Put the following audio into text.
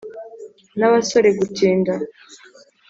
n'abasore gutinda.